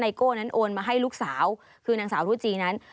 โก้นั้นโอนมาให้ลูกสาวคือนางสาวรุจีนั้น